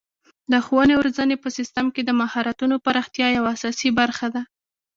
د ښوونې او روزنې په سیستم کې د مهارتونو پراختیا یوه اساسي برخه ده.